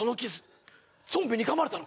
ゾンビに噛まれたのか？